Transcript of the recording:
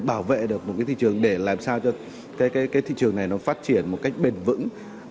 bảo vệ được một cái thị trường để làm sao cho cái thị trường này nó phát triển một cách bền vững